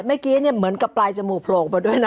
เมื่อกี้เหมือนกับปลายจมูกโผล่ออกมาด้วยนะ